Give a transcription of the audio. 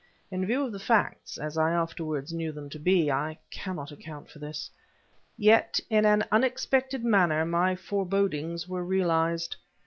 In view of the facts, as I afterwards knew them to be, I cannot account for this. Yet, in an unexpected manner, my forebodings were realized.